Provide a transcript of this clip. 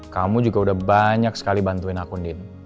kamu juga udah banyak sekali bantuin akun din